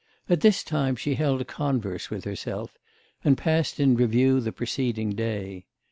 At this time she held converse with herself, and passed in review the preceding day.